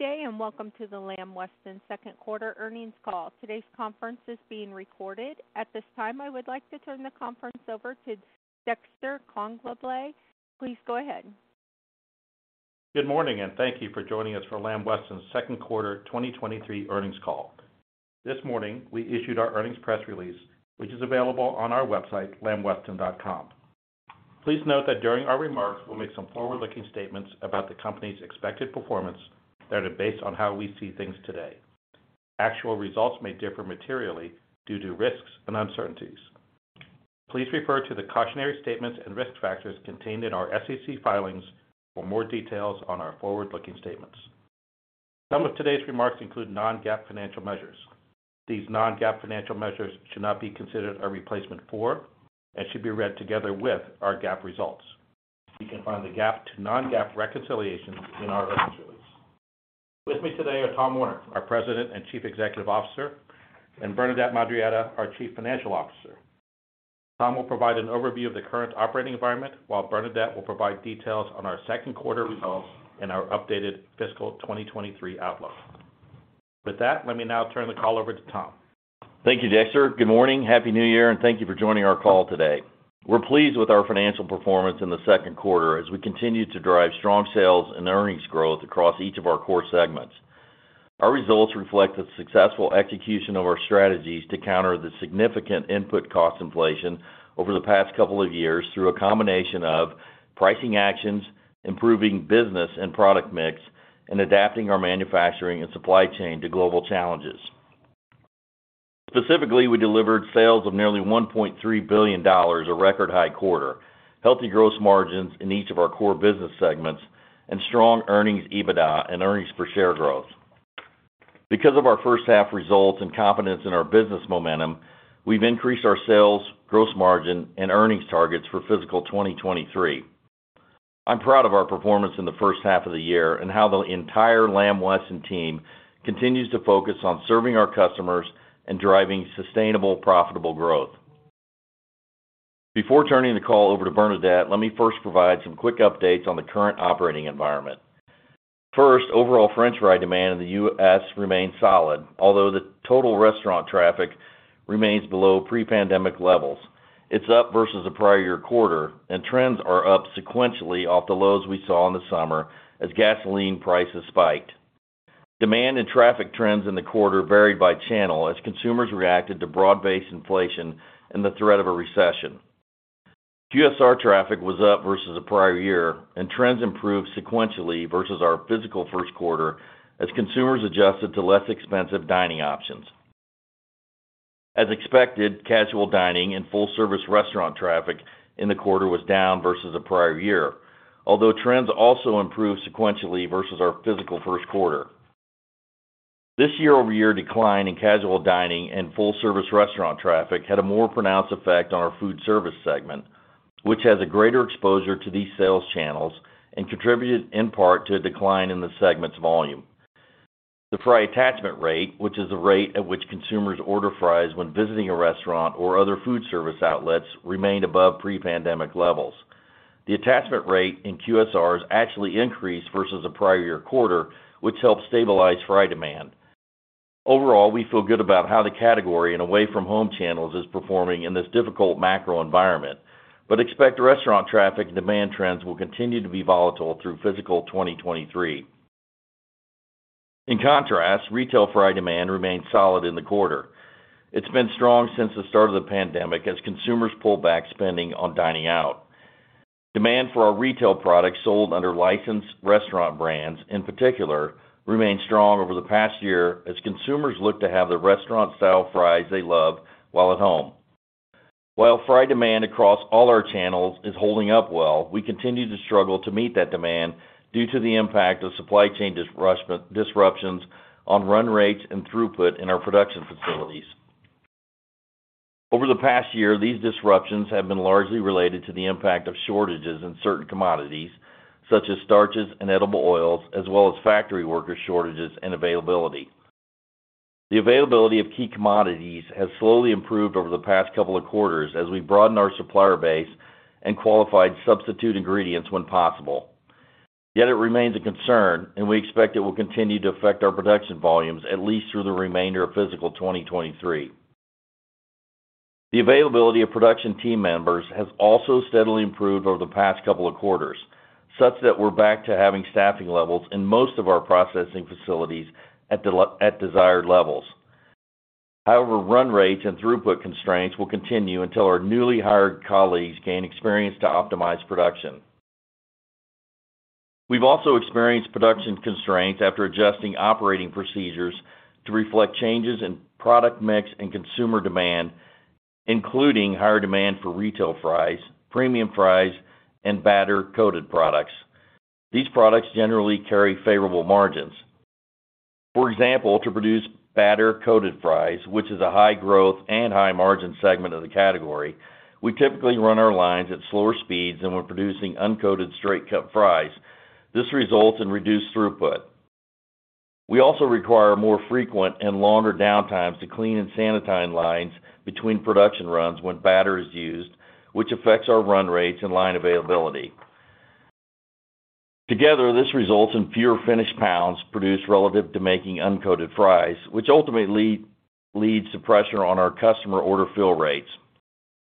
Good day. Welcome to the Lamb Weston second quarter earnings call. Today's conference is being recorded. At this time, I would like to turn the conference over to Dexter Congbalay. Please go ahead. Good morning, and thank you for joining us for Lamb Weston's second quarter 2023 earnings call. This morning, we issued our earnings press release, which is available on our website, lambweston.com. Please note that during our remarks, we'll make some forward-looking statements about the company's expected performance that are based on how we see things today. Actual results may differ materially due to risks and uncertainties. Please refer to the cautionary statements and risk factors contained in our SEC filings for more details on our forward-looking statements. Some of today's remarks include non-GAAP financial measures. These non-GAAP financial measures should not be considered a replacement for and should be read together with our GAAP results. You can find the GAAP to non-GAAP reconciliations in our earnings release. With me today are Tom Werner, our President and Chief Executive Officer, and Bernadette Madarieta, our Chief Financial Officer. Tom will provide an overview of the current operating environment, while Bernadette Madarieta will provide details on our second quarter results and our updated fiscal 2023 outlook. Let me now turn the call over to Tom. Thank you, Dexter. Good morning, happy New Year, and thank you for joining our call today. We're pleased with our financial performance in the second quarter as we continue to drive strong sales and earnings growth across each of our core segments. Our results reflect the successful execution of our strategies to counter the significant input cost inflation over the past couple of years through a combination of pricing actions, improving business and product mix, and adapting our manufacturing and supply chain to global challenges. Specifically, we delivered sales of nearly $1.3 billion, a record high quarter, healthy gross margins in each of our core business segments, and strong earnings EBITDA and earnings per share growth. Because of our first half results and confidence in our business momentum, we've increased our sales, gross margin, and earnings targets for fiscal 2023. I'm proud of our performance in the first half of the year and how the entire Lamb Weston team continues to focus on serving our customers and driving sustainable, profitable growth. Before turning the call over to Bernadette, let me first provide some quick updates on the current operating environment. First, overall French fry demand in the U.S. remains solid, although the total restaurant traffic remains below pre-pandemic levels. It's up versus the prior year quarter, and trends are up sequentially off the lows we saw in the summer as gasoline prices spiked. Demand and traffic trends in the quarter varied by channel as consumers reacted to broad-based inflation and the threat of a recession. QSR traffic was up versus the prior year, and trends improved sequentially versus our physical first quarter as consumers adjusted to less expensive dining options. As expected, casual dining and full-service restaurant traffic in the quarter was down versus the prior year, although trends also improved sequentially versus our physical first quarter. This year-over-year decline in casual dining and full-service restaurant traffic had a more pronounced effect on our food service segment, which has a greater exposure to these sales channels and contributed in part to a decline in the segment's volume. The fry attachment rate, which is the rate at which consumers order fries when visiting a restaurant or other food service outlets, remained above pre-pandemic levels. The attachment rate in QSRs actually increased versus the prior year quarter, which helped stabilize fry demand. Overall, we feel good about how the category in away-from-home channels is performing in this difficult macro environment, but expect restaurant traffic and demand trends will continue to be volatile through fiscal 2023. In contrast, retail fry demand remained solid in the quarter. It's been strong since the start of the pandemic as consumers pull back spending on dining out. Demand for our retail products sold under licensed restaurant brands, in particular, remained strong over the past year as consumers look to have the restaurant-style fries they love while at home. While fry demand across all our channels is holding up well, we continue to struggle to meet that demand due to the impact of supply chain disruptions on run rates and throughput in our production facilities. Over the past year, these disruptions have been largely related to the impact of shortages in certain commodities, such as starches and edible oils, as well as factory worker shortages and availability. The availability of key commodities has slowly improved over the past couple of quarters as we broaden our supplier base and qualified substitute ingredients when possible. It remains a concern, and we expect it will continue to affect our production volumes at least through the remainder of fiscal 2023. The availability of production team members has also steadily improved over the past couple of quarters, such that we're back to having staffing levels in most of our processing facilities at desired levels. Run rates and throughput constraints will continue until our newly hired colleagues gain experience to optimize production. We've also experienced production constraints after adjusting operating procedures to reflect changes in product mix and consumer demand, including higher demand for retail fries, premium fries, and batter-coated products. These products generally carry favorable margins. For example, to produce batter-coated fries, which is a high-growth and high-margin segment of the category, we typically run our lines at slower speeds than when producing uncoated straight-cut fries. This results in reduced throughput. We also require more frequent and longer downtimes to clean and sanitize lines between production runs when batter is used which affects our run rates and line availability. Together, this results in fewer finished pounds produced relative to making uncoated fries, which ultimately leads to pressure on our customer order fill rates.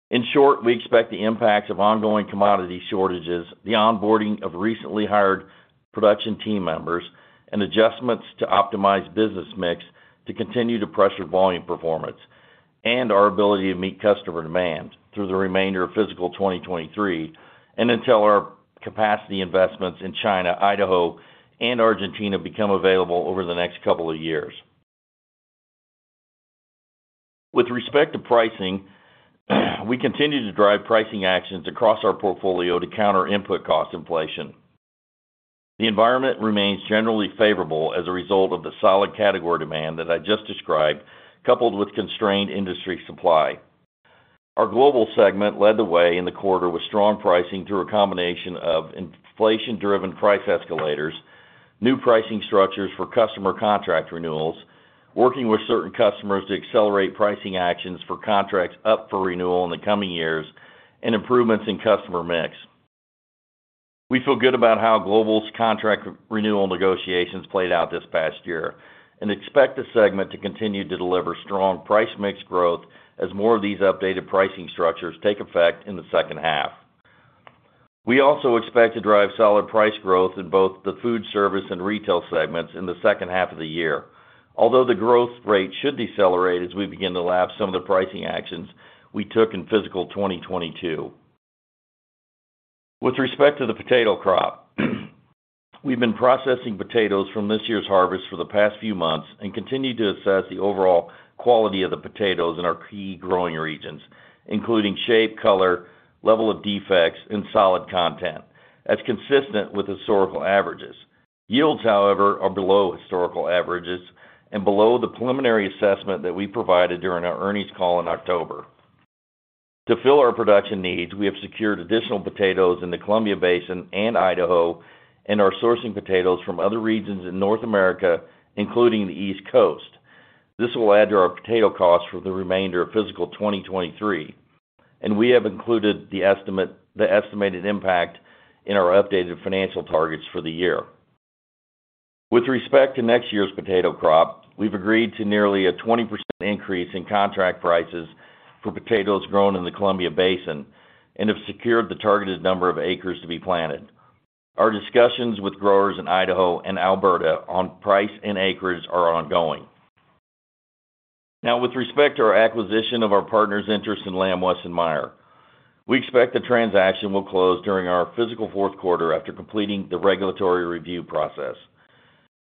In short, we expect the impacts of ongoing commodity shortages, the onboarding of recently hired production team members, and adjustments to optimized business mix to continue to pressure volume performance and our ability to meet customer demand through the remainder of fiscal 2023 and until our capacity investments in China, Idaho, and Argentina become available over the next couple of years. With respect to pricing, we continue to drive pricing actions across our portfolio to counter input cost inflation. The environment remains generally favorable as a result of the solid category demand that I just described, coupled with constrained industry supply. Our global segment led the way in the quarter with strong pricing through a combination of inflation driven price escalators, new pricing structures for customer contract renewals, working with certain customers to accelerate pricing actions for contracts up for renewal in the coming years, and improvements in customer mix. We feel good about how global's contract renewal negotiations played out this past year and expect the segment to continue to deliver strong price mix growth as more of these updated pricing structures take effect in the second half. We also expect to drive solid price growth in both the food service and retail segments in the second half of the year. The growth rate should decelerate as we begin to lap some of the pricing actions we took in fiscal 2022. With respect to the potato crop, we've been processing potatoes from this year's harvest for the past few months and continue to assess the overall quality of the potatoes in our key growing regions, including shape, color, level of defects, and solid content that's consistent with historical averages. Yields, however, are below historical averages and below the preliminary assessment that we provided during our earnings call in October. To fill our production needs, we have secured additional potatoes in the Columbia Basin and Idaho and are sourcing potatoes from other regions in North America, including the East Coast. This will add to our potato costs for the remainder of fiscal 2023. We have included the estimated impact in our updated financial targets for the year. With respect to next year's potato crop, we've agreed to nearly a 20% increase in contract prices for potatoes grown in the Columbia Basin and have secured the targeted number of acres to be planted. Our discussions with growers in Idaho and Alberta on price and acreage are ongoing. With respect to our acquisition of our partner's interest in Lamb Weston Meijer, we expect the transaction will close during our fiscal fourth quarter after completing the regulatory review process.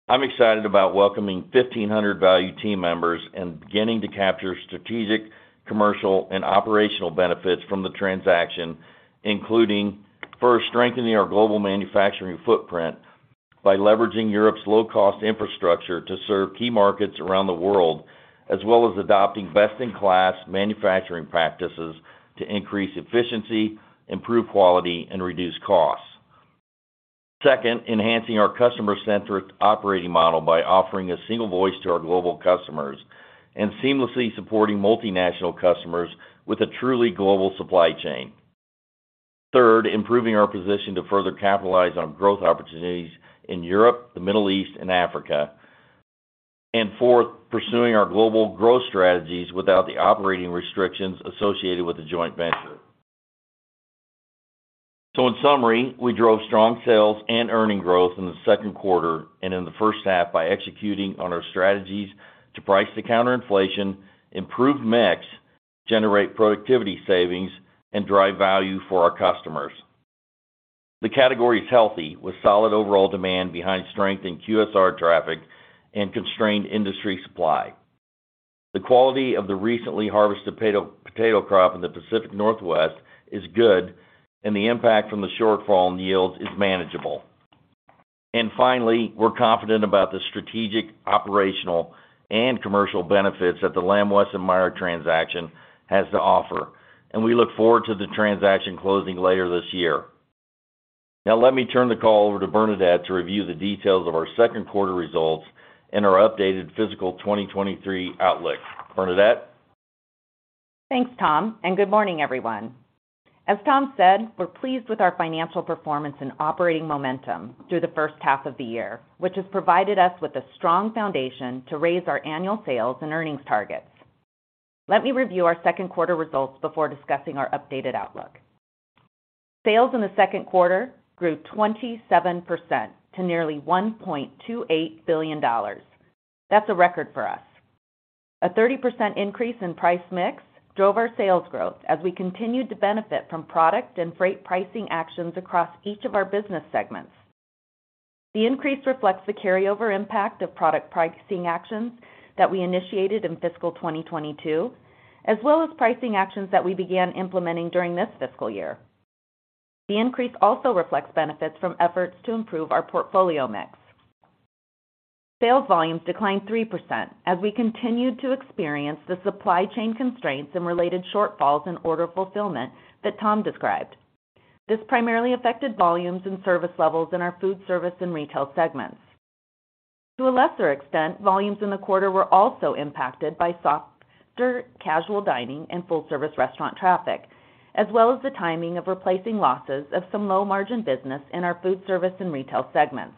I'm excited about welcoming 1,500 valued team members and beginning to capture strategic, commercial, and operational benefits from the transaction, including, first, strengthening our global manufacturing footprint by leveraging Europe's low cost infrastructure to serve key markets around the world, as well as adopting best in class manufacturing practices to increase efficiency, improve quality and reduce costs. Second, enhancing our customer centric operating model by offering a single voice to our global customers and seamlessly supporting multinational customers with a truly global supply chain. Third, improving our position to further capitalize on growth opportunities in Europe, the Middle East and Africa. Fourth, pursuing our global growth strategies without the operating restrictions associated with the joint venture. In summary, we drove strong sales and earning growth in the second quarter and in the first half by executing on our strategies to price to counter inflation, improve mix, generate productivity savings and drive value for our customers. The category is healthy with solid overall demand behind strength in QSR traffic and constrained industry supply. The quality of the recently harvested potato crop in the Pacific Northwest is good and the impact from the shortfall in yields is manageable. Finally, we're confident about the strategic, operational, and commercial benefits that the Lamb Weston Meijer transaction has to offer, and we look forward to the transaction closing later this year. Let me turn the call over to Bernadette to review the details of our second quarter results and our updated fiscal 2023 outlook. Bernadette? Thanks, Tom, and good morning, everyone. As Tom said, we're pleased with our financial performance and operating momentum through the first half of the year, which has provided us with a strong foundation to raise our annual sales and earnings targets. Let me review our second quarter results before discussing our updated outlook. Sales in the second quarter grew 27% to nearly $1.28 billion. That's a record for us. A 30% increase in price mix drove our sales growth as we continued to benefit from product and freight pricing actions across each of our business segments. The increase reflects the carryover impact of product pricing actions that we initiated in fiscal 2022, as well as pricing actions that we began implementing during this fiscal year. The increase also reflects benefits from efforts to improve our portfolio mix. Sales volumes declined 3% as we continued to experience the supply chain constraints and related shortfalls in order fulfillment that Tom described. This primarily affected volumes and service levels in our foodservice and retail segments. To a lesser extent, volumes in the quarter were also impacted by softer casual dining and full-service restaurant traffic, as well as the timing of replacing losses of some low margin business in our foodservice and retail segments.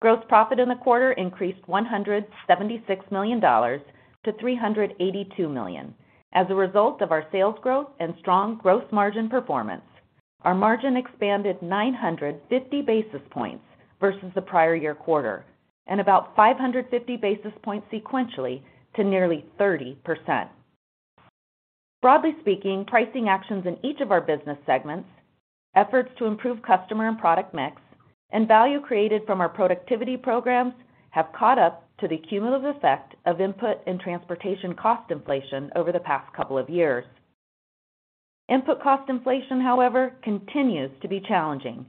Gross profit in the quarter increased $176 million to $382 million as a result of our sales growth and strong gross margin performance. Our margin expanded 950 basis points versus the prior year quarter, and about 550 basis points sequentially to nearly 30%. Broadly speaking, pricing actions in each of our business segments, efforts to improve customer and product mix, and value created from our productivity programs have caught up to the cumulative effect of input and transportation cost inflation over the past couple of years. Input cost inflation, however, continues to be challenging.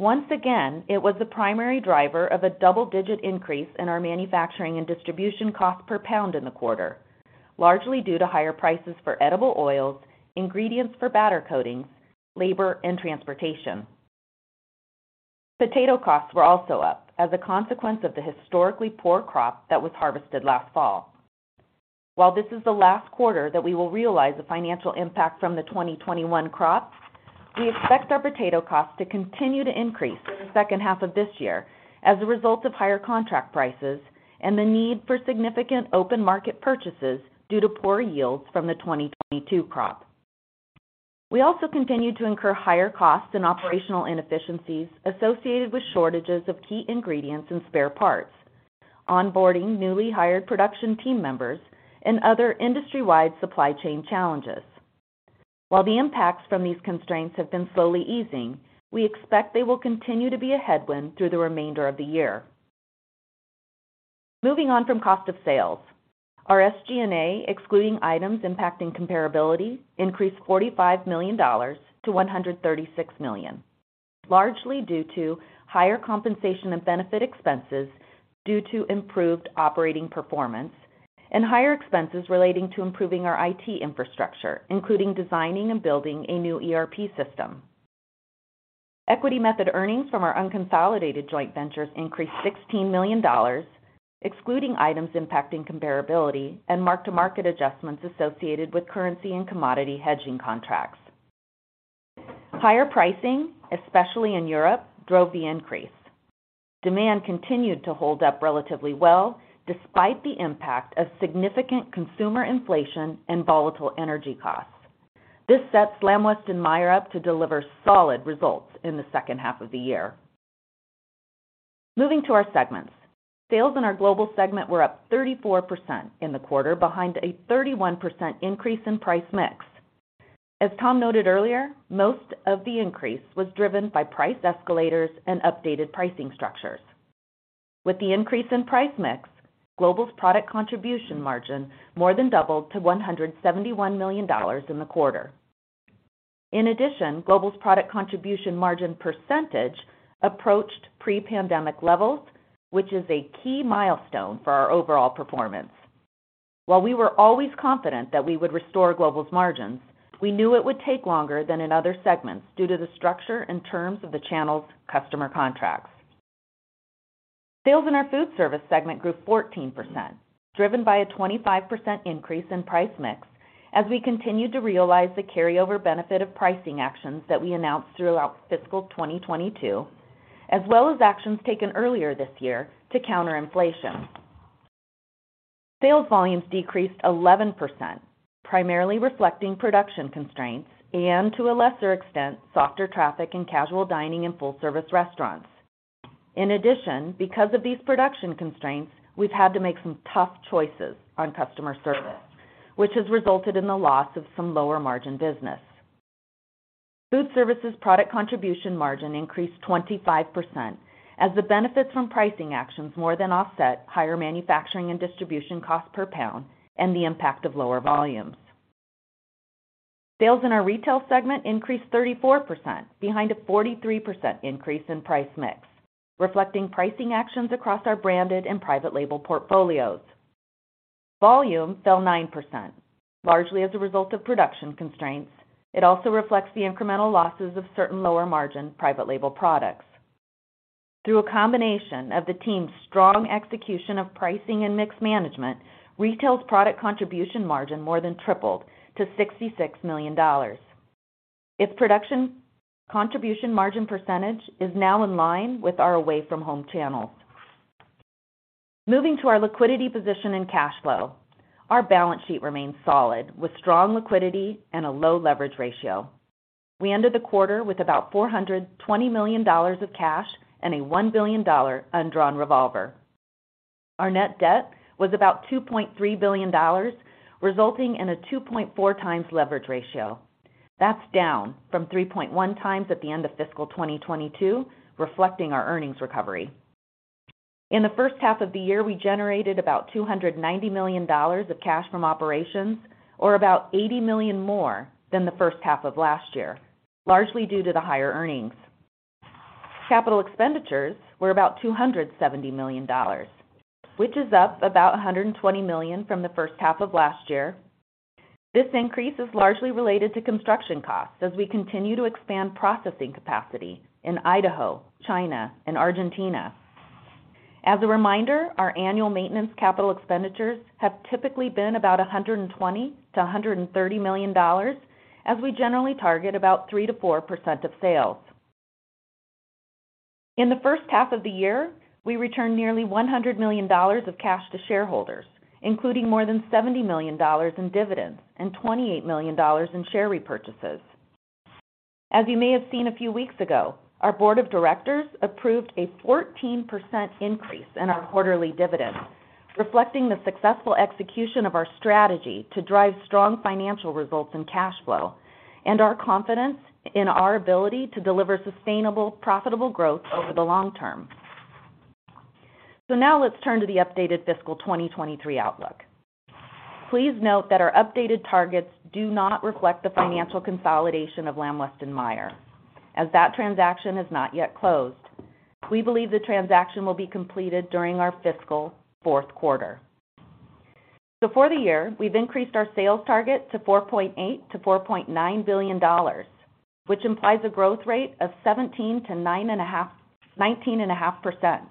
Once again, it was the primary driver of a double-digit increase in our manufacturing and distribution cost per pound in the quarter, largely due to higher prices for edible oils, ingredients for batter coatings, labor and transportation. Potato costs were also up as a consequence of the historically poor crop that was harvested last fall. While this is the last quarter that we will realize the financial impact from the 2021 crop, we expect our potato costs to continue to increase in the second half of this year as a result of higher contract prices and the need for significant open market purchases due to poor yields from the 2022 crop. We also continued to incur higher costs and operational inefficiencies associated with shortages of key ingredients and spare parts, onboarding newly hired production team members, and other industry-wide supply chain challenges. While the impacts from these constraints have been slowly easing, we expect they will continue to be a headwind through the remainder of the year. Moving on from cost of sales. Our SG&A, excluding items impacting comparability, increased $45 million-$136 million, largely due to higher compensation and benefit expenses due to improved operating performance and higher expenses relating to improving our IT infrastructure, including designing and building a new ERP system. Equity method earnings from our unconsolidated joint ventures increased $16 million, excluding items impacting comparability and mark-to-market adjustments associated with currency and commodity hedging contracts. Higher pricing, especially in Europe, drove the increase. Demand continued to hold up relatively well, despite the impact of significant consumer inflation and volatile energy costs. This sets Lamb Weston Meijer up to deliver solid results in the second half of the year. Moving to our segments. Sales in our global segment were up 34% in the quarter behind a 31% increase in price mix. As Tom noted earlier, most of the increase was driven by price escalators and updated pricing structures. With the increase in price mix, Global's product contribution margin more than doubled to $171 million in the quarter. In addition, Global's product contribution margin percentage approached pre-pandemic levels, which is a key milestone for our overall performance. While we were always confident that we would restore Global's margins, we knew it would take longer than in other segments due to the structure and terms of the channel's customer contracts. Sales in our foodservice segment grew 14%, driven by a 25% increase in price mix as we continued to realize the carryover benefit of pricing actions that we announced throughout fiscal 2022, as well as actions taken earlier this year to counter inflation. Sales volumes decreased 11%, primarily reflecting production constraints and, to a lesser extent, softer traffic in casual dining and full-service restaurants. Because of these production constraints, we've had to make some tough choices on customer service, which has resulted in the loss of some lower margin business. Food services product contribution margin increased 25% as the benefits from pricing actions more than offset higher manufacturing and distribution cost per pound and the impact of lower volumes. Sales in our retail segment increased 34% behind a 43% increase in price mix, reflecting pricing actions across our branded and private label portfolios. Volume fell 9%, largely as a result of production constraints. It also reflects the incremental losses of certain lower margin private label products. Through a combination of the team's strong execution of pricing and mix management, retail's product contribution margin more than tripled to $66 million. Its product contribution margin percentage is now in line with our away from home channels. Moving to our liquidity position and cash flow. Our balance sheet remains solid with strong liquidity and a low leverage ratio. We ended the quarter with about $420 million of cash and a $1 billion undrawn revolver. Our net debt was about $2.3 billion, resulting in a 2.4x leverage ratio. That's down from 3.1x at the end of fiscal 2022, reflecting our earnings recovery. In the first half of the year, we generated about $290 million of cash from operations or about $80 million more than the first half of last year, largely due to the higher earnings. Capital expenditures were about $270 million, which is up about $120 million from the first half of last year. This increase is largely related to construction costs as we continue to expand processing capacity in Idaho, China, and Argentina. As a reminder, our annual maintenance capital expenditures have typically been about $120 million-$130 million, as we generally target about 3%-4% of sales. In the first half of the year, we returned nearly $100 million of cash to shareholders, including more than $70 million in dividends and $28 million in share repurchases. As you may have seen a few weeks ago, our board of directors approved a 14% increase in our quarterly dividend, reflecting the successful execution of our strategy to drive strong financial results and cash flow, and our confidence in our ability to deliver sustainable, profitable growth over the long term. Now let's turn to the updated fiscal 2023 outlook. Please note that our updated targets do not reflect the financial consolidation of Lamb Weston Meijer, as that transaction has not yet closed. We believe the transaction will be completed during our fiscal fourth quarter. For the year, we've increased our sales target to $4.8 billion-$4.9 billion, which implies a growth rate of 17%-19.5%.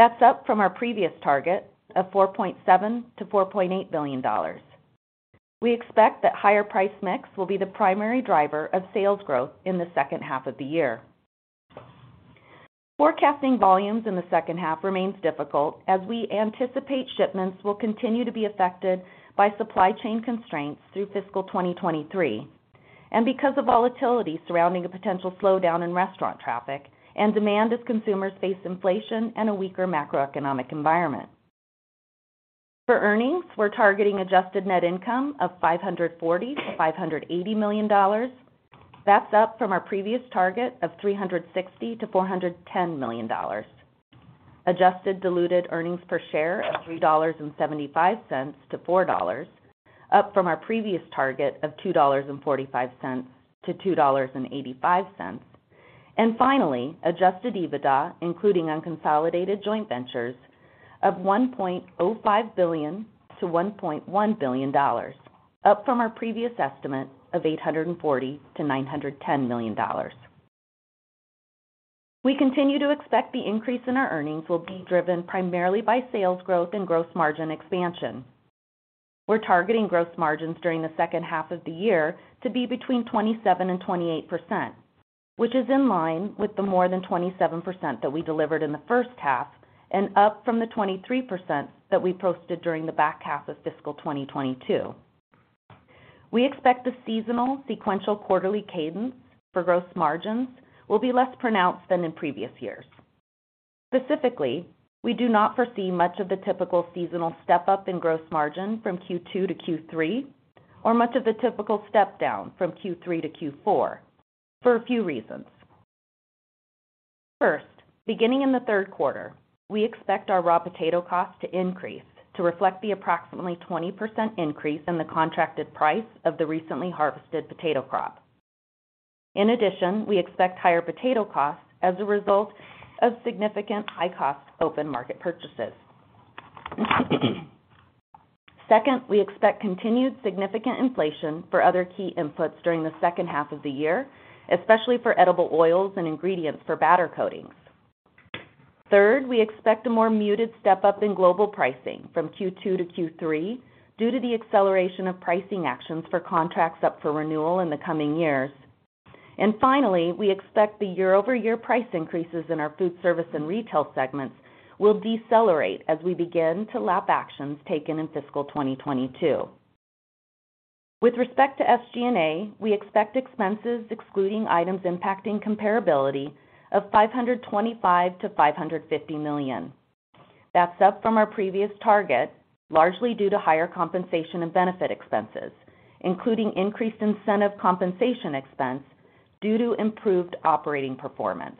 That's up from our previous target of $4.7 billion-$4.8 billion. We expect that higher price mix will be the primary driver of sales growth in the second half of the year. Forecasting volumes in the second half remains difficult as we anticipate shipments will continue to be affected by supply chain constraints through fiscal 2023, because of volatility surrounding a potential slowdown in restaurant traffic and demand as consumers face inflation and a weaker macroeconomic environment. For earnings, we're targeting adjusted net income of $540 million-$580 million. That's up from our previous target of $360 million-$410 million. Adjusted diluted earnings per share of $3.75-$4.00, up from our previous target of $2.45-$2.85. Finally, adjusted EBITDA, including unconsolidated joint ventures of $1.05 billion-$1.1 billion, up from our previous estimate of $840 million-$910 million. We continue to expect the increase in our earnings will be driven primarily by sales growth and gross margin expansion. We're targeting gross margins during the second half of the year to be between 27%-28%, which is in line with the more than 27% that we delivered in the first half and up from the 23% that we posted during the back half of fiscal 2022. We expect the seasonal sequential quarterly cadence for gross margins will be less pronounced than in previous years. Specifically, we do not foresee much of the typical seasonal step-up in gross margin from Q2 to Q3 or much of the typical step down from Q3 to Q4 for a few reasons. First, beginning in the third quarter, we expect our raw potato cost to increase to reflect the approximately 20% increase in the contracted price of the recently harvested potato crop. In addition, we expect higher potato costs as a result of significant high cost open market purchases. Second, we expect continued significant inflation for other key inputs during the second half of the year, especially for edible oils and ingredients for batter coatings. Third, we expect a more muted step-up in global pricing from Q2 to Q3 due to the acceleration of pricing actions for contracts up for renewal in the coming years. Finally, we expect the year-over-year price increases in our food service and retail segments will decelerate as we begin to lap actions taken in fiscal 2022. With respect to SG&A, we expect expenses excluding items impacting comparability of $525 million-$550 million. That's up from our previous target, largely due to higher compensation and benefit expenses, including increased incentive compensation expense due to improved operating performance,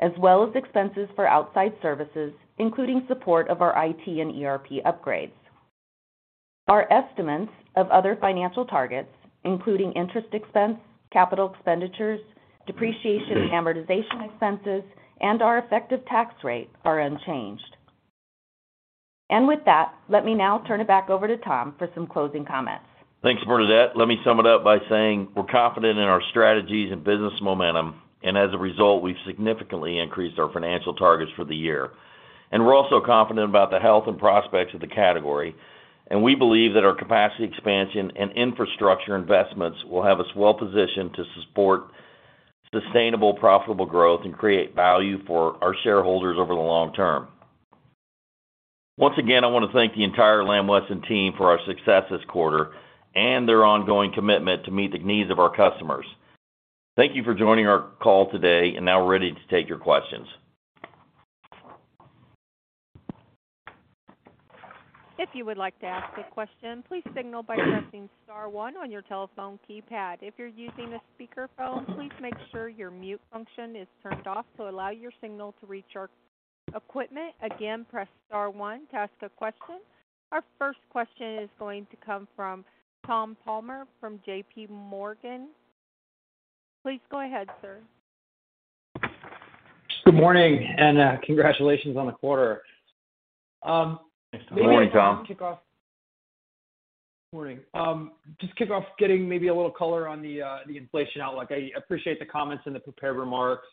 as well as expenses for outside services, including support of our IT and ERP upgrades. Our estimates of other financial targets, including interest expense, capital expenditures, depreciation, amortization expenses, and our effective tax rate are unchanged. With that, let me now turn it back over to Tom for some closing comments. Thanks, Bernadette. Let me sum it up by saying we're confident in our strategies and business momentum. As a result, we've significantly increased our financial targets for the year. We're also confident about the health and prospects of the category, and we believe that our capacity expansion and infrastructure investments will have us well positioned to support sustainable, profitable growth and create value for our shareholders over the long term. Once again, I wanna thank the entire Lamb Weston team for our success this quarter and their ongoing commitment to meet the needs of our customers. Thank you for joining our call today. Now we're ready to take your questions. If you would like to ask a question, please signal by pressing star one on your telephone keypad. If you're using a speakerphone, please make sure your mute function is turned off to allow your signal to reach our equipment. Again, press star one to ask a question. Our first question is going to come from Tom Palmer from JPMorgan. Please go ahead, sir. Good morning, congratulations on the quarter. Good morning, Tom. Maybe I can kick off... Morning. Just kick off getting maybe a little color on the inflation outlook. I appreciate the comments in the prepared remarks.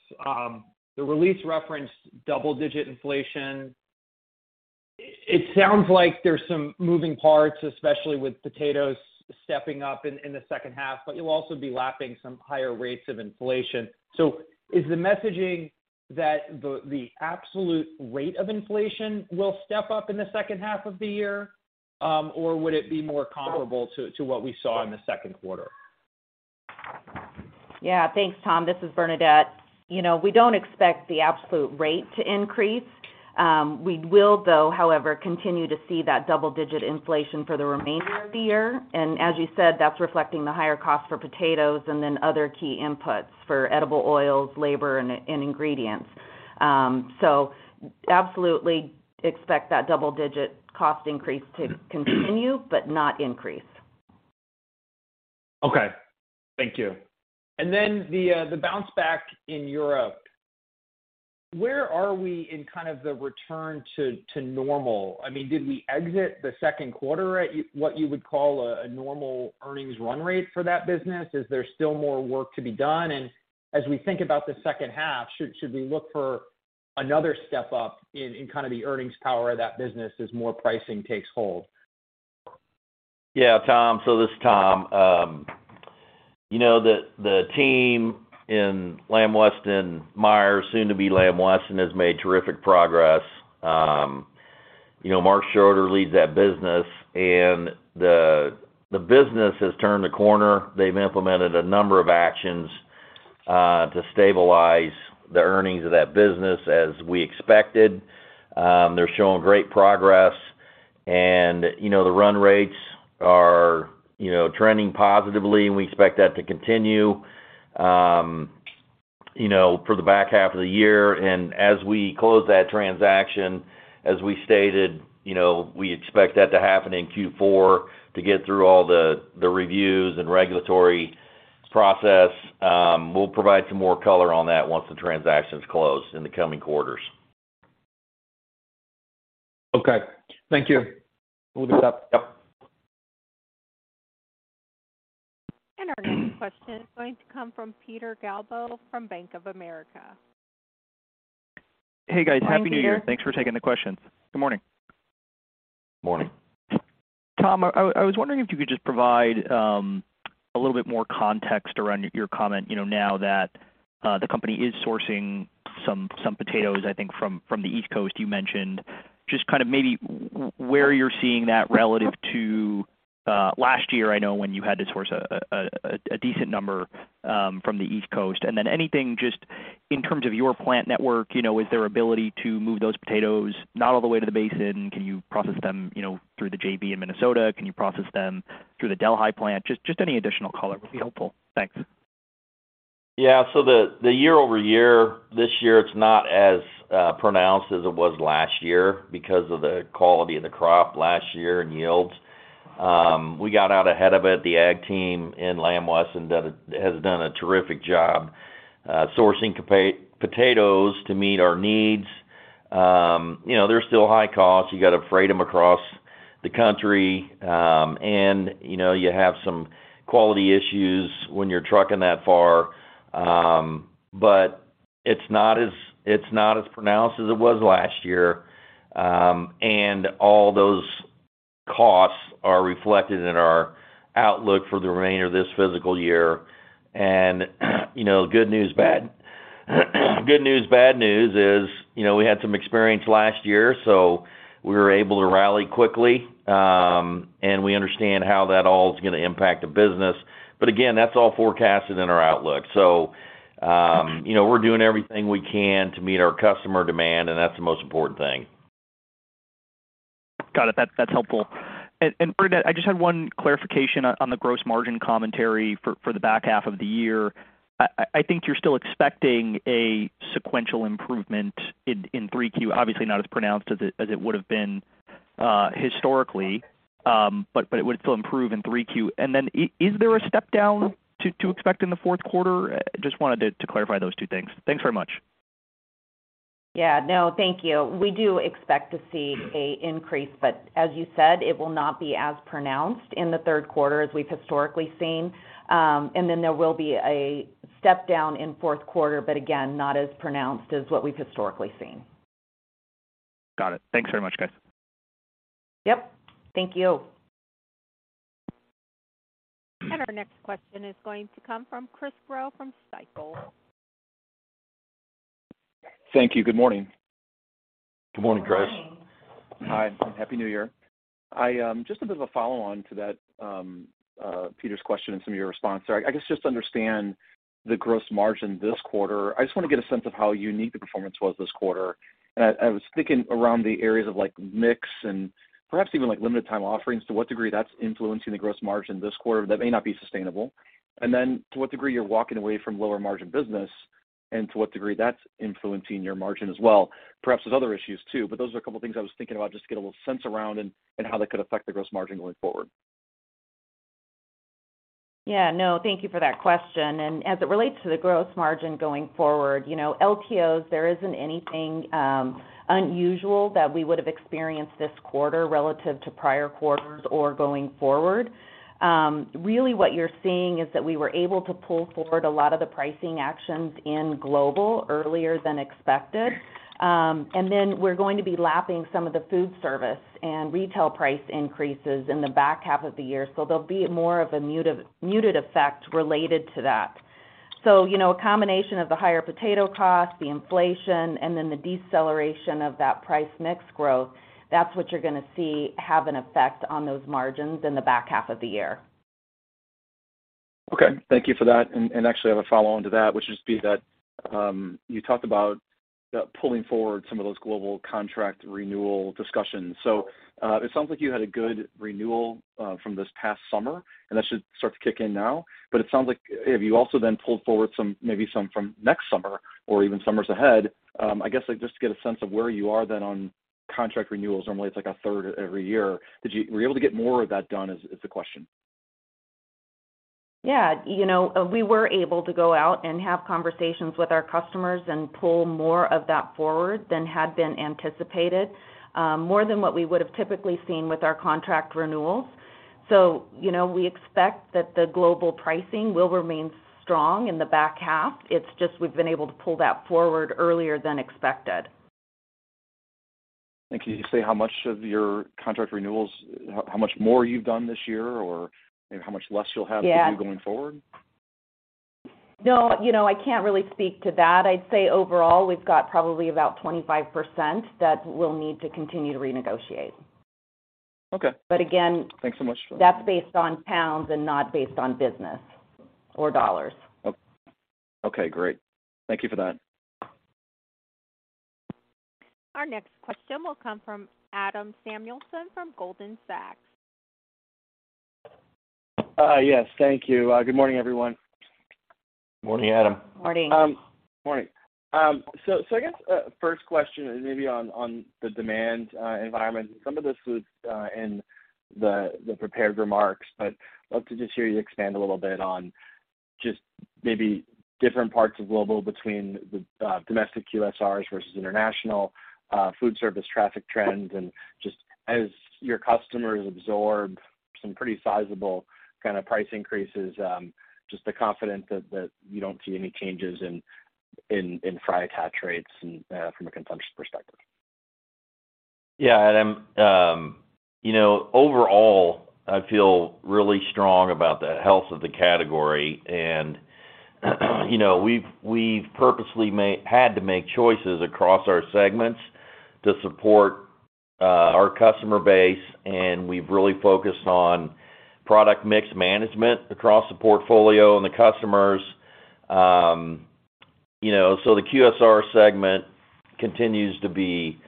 The release referenced double-digit inflation. It sounds like there's some moving parts, especially with potatoes stepping up in the second half, but you'll also be lapping some higher rates of inflation. Is the messaging that the absolute rate of inflation will step up in the second half of the year, or would it be more comparable to what we saw in the second quarter? Yeah. Thanks, Tom. This is Bernadette. You know, we don't expect the absolute rate to increase. We will though, however, continue to see that double-digit inflation for the remainder of the year. As you said, that's reflecting the higher cost for potatoes and then other key inputs for edible oils, labor, and ingredients. Absolutely expect that double-digit cost increase to continue but not increase. Okay. Thank you. Then the bounce back in Europe, where are we in kind of the return to normal? I mean, did we exit the second quarter at what you would call a normal earnings run rate for that business? Is there still more work to be done? As we think about the second half, should we look for another step up in kind of the earnings power of that business as more pricing takes hold? Yeah, Tom. This is Tom. you know, the team in Lamb Weston Meijer, soon to be Lamb Weston, has made terrific progress. you know, Marc Schroeder leads that business. The business has turned a corner. They've implemented a number of actions to stabilize the earnings of that business as we expected. They're showing great progress and, you know, the run rates are, you know, trending positively. We expect that to continue, you know, for the back half of the year. As we close that transaction, as we stated, you know, we expect that to happen in Q4 to get through all the reviews and regulatory process. We'll provide some more color on that once the transaction's closed in the coming quarters. Okay. Thank you. We'll just stop there. Our next question is going to come from Peter Galbo from Bank of America. Hey, guys. Happy New Year. Morning, Peter. Thanks for taking the questions. Good morning. Morning. Tom, I was wondering if you could just provide a little bit more context around your comment, you know, now that the company is sourcing some potatoes, I think from the East Coast you mentioned. Just kind of maybe where you're seeing that relative to last year, I know when you had to source a decent number from the East Coast. Then anything just in terms of your plant network, you know, is there ability to move those potatoes not all the way to the basin? Can you process them, you know, through the JV in Minnesota? Can you process them through the Delhi plant? Just any additional color would be helpful. Thanks. Yeah. The year-over-year, this year, it's not as pronounced as it was last year because of the quality of the crop last year and yields. We got out ahead of it. The ag team in Lamb Weston that has done a terrific job sourcing potatoes to meet our needs. You know, they're still high cost. You got to freight them across the country, and, you know, you have some quality issues when you're trucking that far. But it's not as pronounced as it was last year. All those costs are reflected in our outlook for the remainder of this physical year. You know, good news, bad. Good news, bad news is, you know, we had some experience last year, so we were able to rally quickly. We understand how that all is gonna impact the business. Again, that's all forecasted in our outlook. You know, we're doing everything we can to meet our customer demand, and that's the most important thing. Got it. That's helpful. Bernadette Madarieta, I just had one clarification on the gross margin commentary for the back half of the year. I think you're still expecting a sequential improvement in 3Q, obviously not as pronounced as it would have been historically. It would still improve in 3Q. Then is there a step down to expect in the fourth quarter? Just wanted to clarify those two things. Thanks very much. Yeah. No, thank you. We do expect to see a increase, but as you said, it will not be as pronounced in the third quarter as we've historically seen. Then there will be a step down in fourth quarter, but again, not as pronounced as what we've historically seen. Got it. Thanks very much, guys. Yep. Thank you. Our next question is going to come from Chris Growe from Stifel. Thank you. Good morning. Good morning, Chris. Good morning. Hi, and Happy New Year. I just a bit of a follow on to that Peter's question and some of your response. I guess, just to understand the gross margin this quarter. I just want to get a sense of how unique the performance was this quarter. I was thinking around the areas of like mix and perhaps even like limited time offerings, to what degree that's influencing the gross margin this quarter that may not be sustainable. Then to what degree you're walking away from lower margin business and to what degree that's influencing your margin as well. Perhaps there's other issues too. Those are a couple of things I was thinking about just to get a little sense around and how that could affect the gross margin going forward. Yeah. No, thank you for that question. As it relates to the growth margin going forward, you know, LTOs, there isn't anything unusual that we would have experienced this quarter relative to prior quarters or going forward. Really what you're seeing is that we were able to pull forward a lot of the pricing actions in Global earlier than expected. And then we're going to be lapping some of the food service and retail price increases in the back half of the year. There'll be more of a muted effect related to that. You know, a combination of the higher potato cost, the inflation, and then the deceleration of that price mix growth, that's what you're gonna see have an effect on those margins in the back half of the year. Okay, thank you for that. Actually I have a follow-on to that, which would be that, you talked about pulling forward some of those global contract renewal discussions. It sounds like you had a good renewal from this past summer, and that should start to kick in now. It sounds like if you also then pulled forward maybe some from next summer or even summers ahead, I guess, like just to get a sense of where you are then on contract renewals. Normally, it's like a third every year. Were you able to get more of that done, is the question. Yeah. You know, we were able to go out and have conversations with our customers and pull more of that forward than had been anticipated, more than what we would have typically seen with our contract renewals. You know, we expect that the global pricing will remain strong in the back half. It's just we've been able to pull that forward earlier than expected. can you say how much of your contract renewals, how much more you've done this year or, you know, how much less you'll to do going forward? No, you know, I can't really speak to that. I'd say overall, we've got probably about 25% that we'll need to continue to renegotiate. Okay. Again- Thanks so much. that's based on pounds and not based on business or dollars. Okay. Great. Thank you for that. Our next question will come from Adam Samuelson from Goldman Sachs. Yes, thank you. Good morning, everyone. Morning, Adam. Morning. Morning. I guess, first question is maybe on the demand environment. Some of this was in the prepared remarks, but love to just hear you expand a little bit on just maybe different parts of global between the domestic QSRs versus international food service traffic trends and just as your customers absorb some pretty sizable kind of price increases, just the confidence that you don't see any changes in fry attach rates and from a consumption perspective. Yeah. You know, overall, I feel really strong about the health of the category. You know, we've purposely had to make choices across our segments to support our customer base, and we've really focused on product mix management across the portfolio and the customers. You know, the QSR segment continues to be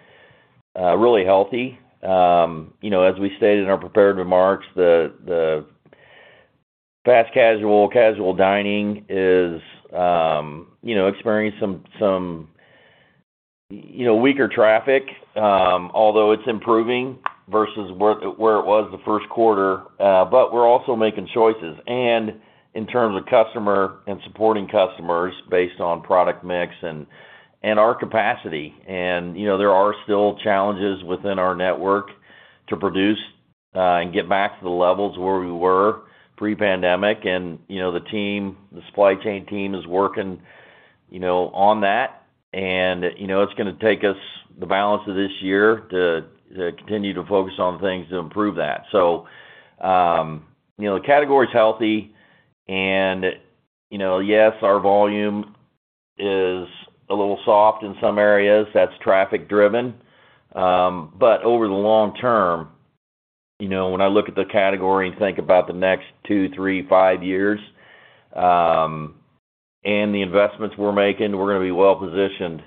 really healthy. You know, as we stated in our prepared remarks, the fast casual dining is, you know, experiencing some, you know, weaker traffic, although it's improving versus where it was the first quarter. We're also making choices and in terms of customer and supporting customers based on product mix and our capacity. You know, there are still challenges within our network to produce and get back to the levels where we were pre-pandemic. You know, the team, the supply chain team is working, you know, on that. You know, it's gonna take us the balance of this year to continue to focus on things to improve that. You know, the category is healthy and, you know, yes, our volume is a little soft in some areas that's traffic driven. Over the long term, you know, when I look at the category and think about the next two, three, five years, and the investments we're making, we're gonna be well-positioned,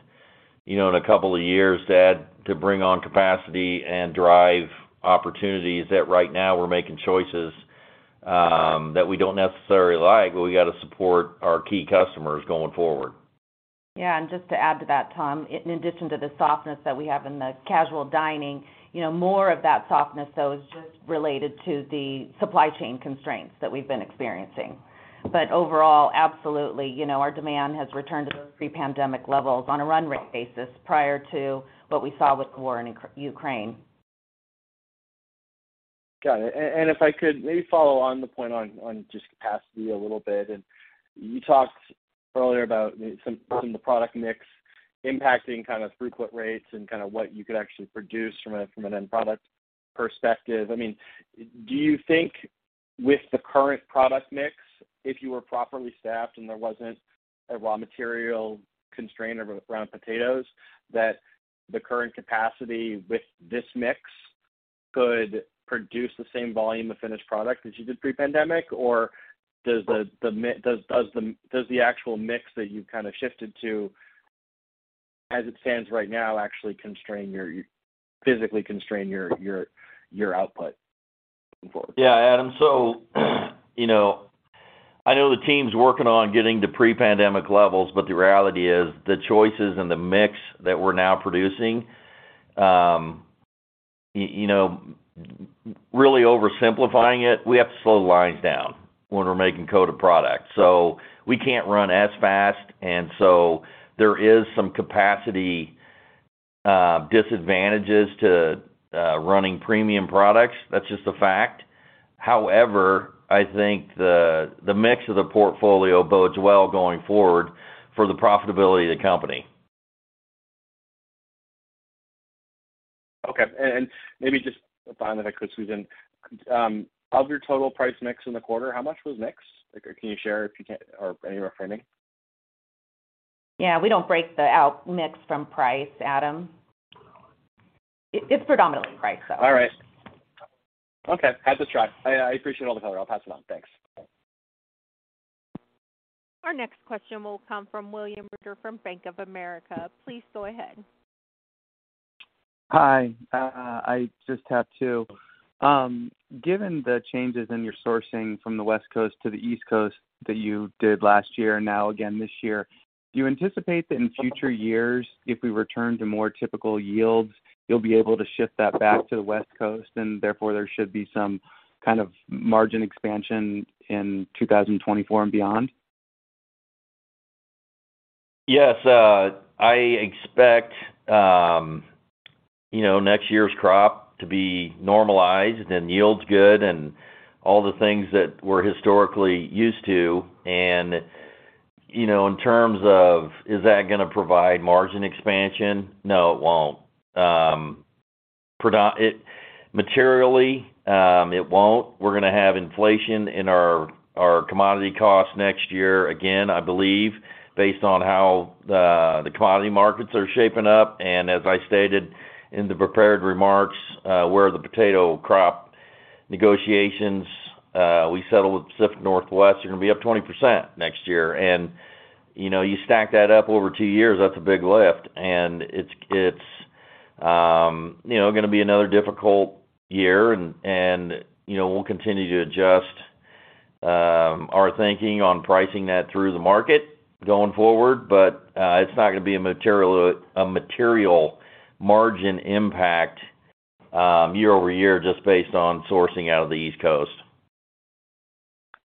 you know, in a couple of years to bring on capacity and drive opportunities that right now we're making choices, that we don't necessarily like, but we got to support our key customers going forward. Yeah. Just to add to that, Tom, in addition to the softness that we have in the casual dining, you know, more of that softness, though, is just related to the supply chain constraints that we've been experiencing. Overall, absolutely, you know, our demand has returned to those pre-pandemic levels on a run rate basis prior to what we saw with the war in Ukraine. Got it. If I could maybe follow on the point on just capacity a little bit. You talked earlier about some of the product mix impacting kind of throughput rates and kind of what you could actually produce from an end product perspective. I mean, do you think with the current product mix, if you were properly staffed and there wasn't a raw material constraint around potatoes, that the current capacity with this mix could produce the same volume of finished product as you did pre-pandemic? Does the actual mix that you've kind of shifted to, as it stands right now, actually physically constrain your output going forward? Adam. You know, I know the team's working on getting to pre-pandemic levels, but the reality is the choices and the mix that we're now producing. You know, really oversimplifying it, we have to slow the lines down when we're making coated product. We can't run as fast, there is some capacity disadvantages to running premium products. That's just a fact. However, I think the mix of the portfolio bodes well going forward for the profitability of the company. Okay. Maybe just finally, if I could, of your total price mix in the quarter, how much was mix? Like, can you share if you can or any reframing? We don't break the out mix from price, Adam. It's predominantly price, so. All right. Okay, had to try. I appreciate all the color. I'll pass it on. Thanks. Our next question will come from William Reuter from Bank of America. Please go ahead. Hi, I just have two. Given the changes in your sourcing from the West Coast to the East Coast that you did last year, now again this year, do you anticipate that in future years, if we return to more typical yields, you'll be able to shift that back to the West Coast, and therefore there should be some kind of margin expansion in 2024 and beyond? Yes. I expect, you know, next year's crop to be normalized and yields good and all the things that we're historically used to. You know, in terms of is that gonna provide margin expansion? No, it won't. Materially, it won't. We're gonna have inflation in our commodity costs next year, again, I believe, based on how the commodity markets are shaping up. As I stated in the prepared remarks, where the potato crop negotiations, we settled with Pacific Northwest, you're gonna be up 20% next year. You know, you stack that up over two years, that's a big lift. It's, you know, gonna be another difficult year and, you know, we'll continue to adjust our thinking on pricing that through the market going forward, but, it's not gonna be a material margin impact, year-over-year just based on sourcing out of the East Coast.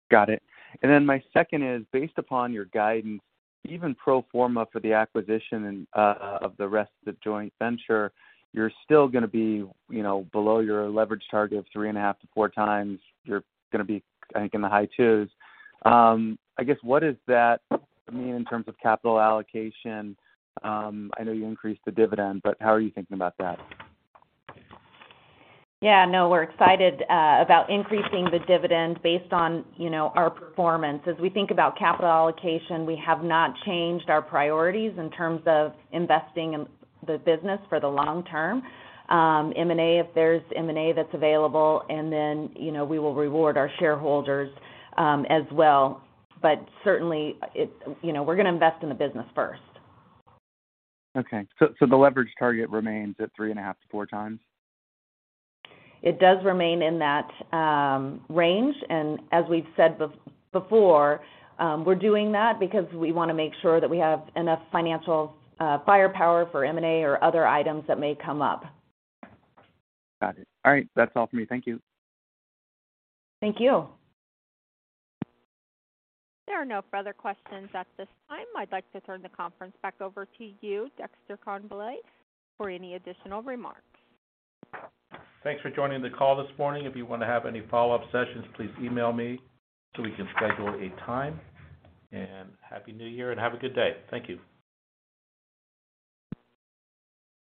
Got it. My second is based upon your guidance, even pro forma for the acquisition and of the rest of the joint venture, you're still gonna be, you know, below your leverage target of 3.5x-4x. You're gonna be, I think, in the high twos. I guess what does that mean in terms of capital allocation? I know you increased the dividend, how are you thinking about that? Yeah, no, we're excited about increasing the dividend based on, you know, our performance. As we think about capital allocation, we have not changed our priorities in terms of investing in the business for the long term. M&A, if there's M&A that's available, and then, you know, we will reward our shareholders as well. Certainly, you know, we're gonna invest in the business first. Okay. The leverage target remains at 3.5x-4x? It does remain in that range. As we've said before, we're doing that because we wanna make sure that we have enough financial firepower for M&A or other items that may come up. Got it. All right. That's all for me. Thank you. Thank you. There are no further questions at this time. I'd like to turn the conference back over to you, Dexter Congbalay, for any additional remarks. Thanks for joining the call this morning. If you wanna have any follow-up sessions, please email me so we can schedule a time. Happy New Year, and have a good day. Thank you.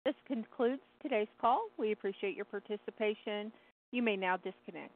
This concludes today's call. We appreciate your participation. You may now disconnect.